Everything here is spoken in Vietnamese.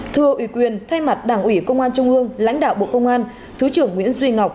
thưa ủy quyền thay mặt đảng ủy công an trung ương lãnh đạo bộ công an thứ trưởng nguyễn duy ngọc